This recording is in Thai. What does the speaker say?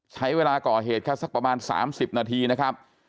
ใช้เวลาก่อเหตุแค่สักประมาณ๓๐นาทีนะครับ